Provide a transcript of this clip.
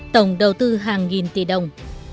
tổng đầu tư hàng nghìn tỷ đồng